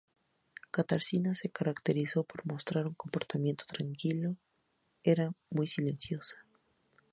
Katarzyna se caracterizó por mostrar un comportamiento tranquilo, era muy silenciosa.